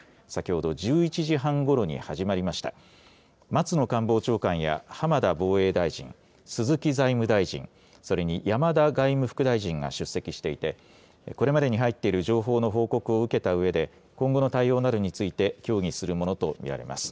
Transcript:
松野官房長官や浜田防衛大臣、鈴木財務大臣、それに山田外務副大臣が出席していてこれまでに入っている情報の報告を受けたうえで今後の対応などについて協議するものと見られます。